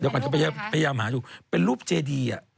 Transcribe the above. เดี๋ยวก่อนก็พยายามหาถูกเป็นรูปเจดีอ่ะ